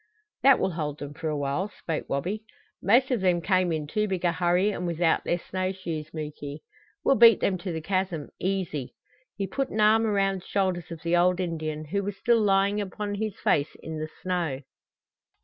"That will hold them for a while," spoke Wabi. "Most of them came in too big a hurry, and without their snow shoes, Muky. We'll beat them to the chasm easy!" He put an arm around the shoulders of the old Indian, who was still lying upon his face in the snow.